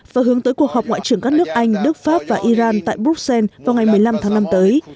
và hướng tới cuộc họp ngoại trưởng các nước anh đức pháp và iran tại bruxelles vào ngày một mươi năm tháng năm tới